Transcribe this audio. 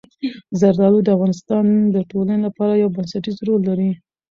زردالو د افغانستان د ټولنې لپاره یو بنسټيز رول لري.